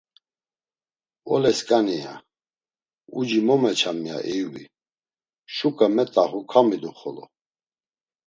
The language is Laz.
“Olesǩani!” ya; “Uci mo meçam!” ya Eyubi, şuǩa met̆axu kamidu xolo.